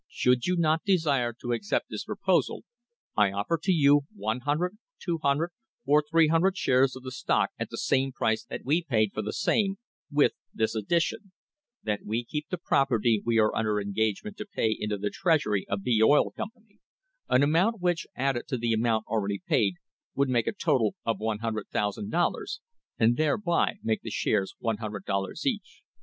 Should you not desire to accept this proposal, I offer to you one hundred, two hundred, or three hundred shares of the stock at the same price that we paid for the same, with this addition, that we keep the property we are under engagement to pay into the treasury of the B Oil Company, an amount which, added to the amount already paid, would make a total of #100,000, and thereby make the shares #100 each.